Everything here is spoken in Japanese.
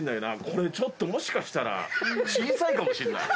これちょっともしかしたら小さいかもしれない。